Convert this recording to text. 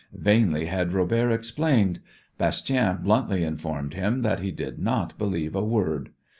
Vainly had Robert explained. Bastien bluntly informed him that he did not believe a word.